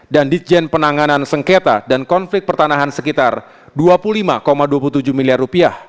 dan ditjen penanganan sengketa dan konflik pertanahan sekitar rp dua puluh lima dua puluh tujuh miliar